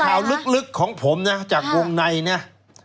ข่าวลึกของผมนะจากวงในนะ